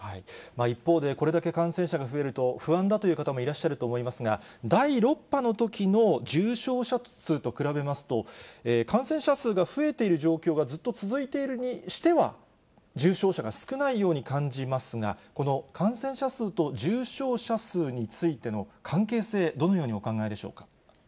一方でこれだけ感染者が増えると不安だという方もいらっしゃると思いますが、第６波のときの重症者数と比べますと、感染者数が増えている状況がずっと続いているにしては、重症者が少ないように感じますが、この感染者数と重症者数についての関係性、どのようにお考えでしょうか。